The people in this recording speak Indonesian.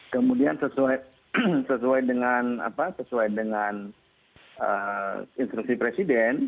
kemudian sesuai dengan instruksi presiden